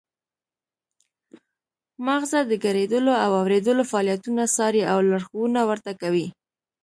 مغزه د ګړیدلو او اوریدلو فعالیتونه څاري او لارښوونه ورته کوي